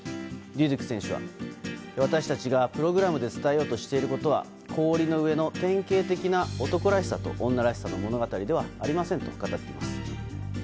ルデュク選手は、私たちがプログラムで伝えようとしていることは、氷の上の典型的な男らしさと女らしさの物語ではありませんと語っています。